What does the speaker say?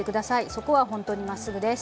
そこはほんとにまっすぐです。